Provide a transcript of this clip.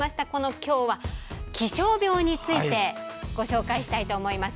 今日は気象病についてご紹介したいと思います。